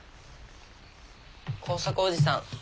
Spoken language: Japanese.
耕作おじさん。